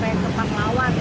pajajaran yang saya suka